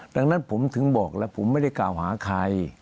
ดังนั้นผมถึงบอกแล้วผมไม่ได้กล่าวหาใคร